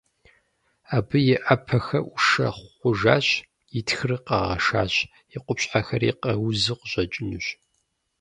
Абы и Ӏэпэхэр Ӏушэ хъужащ, и тхыр къэгъэшащ, и къупщхьэхэри къеузу къыщӀэкӀынущ.